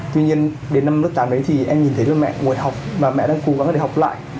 tuy nhiên đến năm lớp tám ấy thì em nhìn thấy mẹ ngồi học và mẹ đang cố gắng để học lại